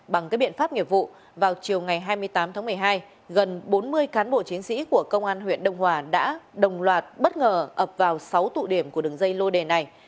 bằng các biện pháp nghiệp vụ vào chiều ngày hai mươi tám tháng một mươi hai gần bốn mươi cán bộ chiến sĩ của công an huyện đông hòa đã đồng loạt bất ngờ ập vào sáu tụ điểm của đường dây lô đề này